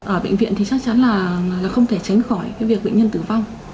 ở bệnh viện thì chắc chắn là không thể tránh khỏi cái việc bệnh nhân tử vong